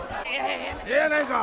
ええやないか！